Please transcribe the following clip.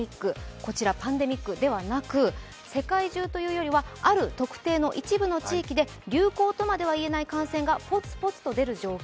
こちらパンデミックではなく世界中というよりは、ある特定の一部の地域で流行とまでは言えない感染がポツポツと出る状況。